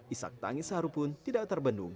isang tangis seharupun tidak terbendung